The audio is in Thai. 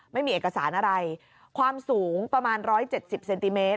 ไม่มีเอกสารอะไรความสูงประมาณ๑๗๐เซนติเมตร